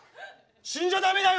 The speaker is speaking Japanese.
死んじゃダメだよ。